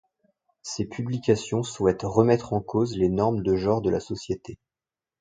Ces publications souhaitent remettre en cause les normes de genre de la société.